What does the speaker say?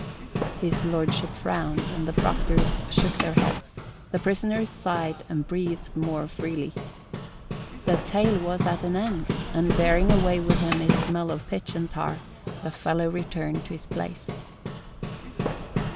His Lordship frowned and the proctors shook their heads; the prisoners sighed and breathed more freely. The tale was at an end, and bearing away with him his smell of pitch and tar the fellow returned to his place.